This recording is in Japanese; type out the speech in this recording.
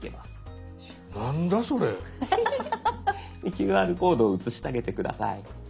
ＱＲコードを写してあげて下さい。